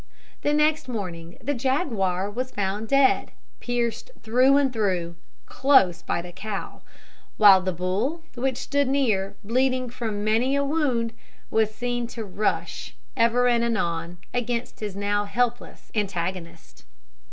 The next morning the jaguar was found dead, pierced through and through, close by the cow; while the bull, which stood near, bleeding from many a wound, was seen to rush, ever and anon, against his now helpless antagonist.